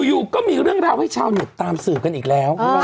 อยู่ก็มีเรื่องราวให้ชาวเน็ตตามสืบกันอีกแล้ว